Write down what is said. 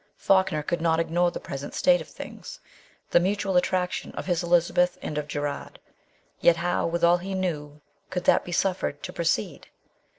Falkner could not ignore the present state of things the mutual attraction of his Elizabeth and of Gerard. Yet how, with all he knew, could that be suffered to proceed